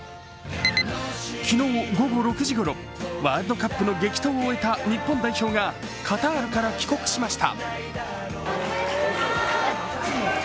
昨日午後６時ごろ、ワールドカップの激闘を終えた日本代表がカタールから帰国しました。